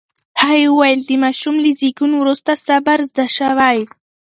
هغې وویل، د ماشوم له زېږون وروسته صبر زده شوی.